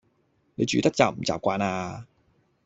你住得習唔習慣呀